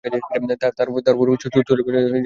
তার ওপর চোরের ভয়ে জানালা সব বন্ধ ছিল।